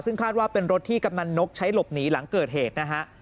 ซึ่งคาดว่าเป็นรถที่กำนันนกใช้หลบหนีหลังเกิดเหตุนะฮะ